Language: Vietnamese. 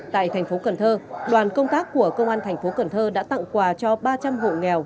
tại thành phố cần thơ đoàn công tác của công an thành phố cần thơ đã tặng quà cho ba trăm linh hộ nghèo